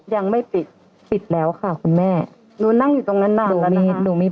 ยังไม่ปิดปิดแล้วค่ะคุณแม่หนูนั่งอยู่ตรงนั้นน่ะหนูมีหนูมี